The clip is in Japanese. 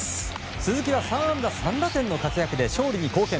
鈴木は３安打３打点の活躍で勝利に貢献。